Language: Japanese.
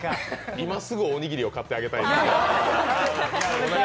今すぐおにぎりを買ってあげたい。